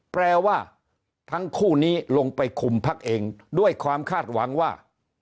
แปลว่าทั้งคู่นี้ลงไปคุมพักเองด้วยความคาดหวังว่า